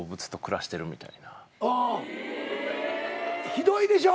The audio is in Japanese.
ひどいでしょ？